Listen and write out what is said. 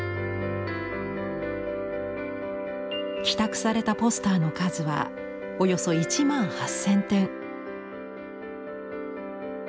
寄託されたポスターの数はおよそ１万８，０００点。